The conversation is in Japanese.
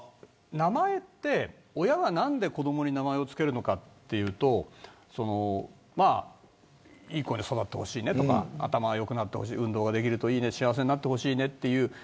名前って、親が何で子どもに名前をつけるのかというといい子に育ってほしいとか頭が良くなってほしい運動ができるといいね幸せになってほしい。